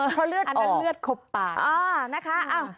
เพราะเลือดออกอันนั้นเลือดครบปากอ่านะคะอ่า